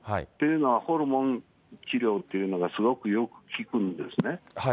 というのは、ホルモン治療というのがすごくよく効くんですね。